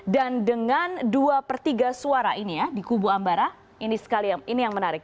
dan dengan dua per tiga suara ini ya di kubu ambara ini sekali ini yang menarik